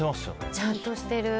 ちゃんとしてる。